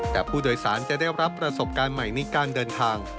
แต่ผู้โดยสารจะได้รับประสบการณ์ใหม่ในการเดินทาง